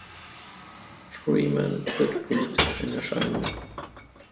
Freeman tritt politisch in Erscheinung.